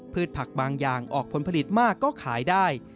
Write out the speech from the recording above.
ผักบางอย่างออกผลผลิตมากก็ขายได้